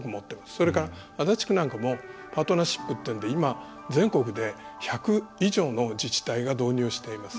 それから、足立区なんかもパートナーシップというので今、全国で１００以上の自治体が導入しています。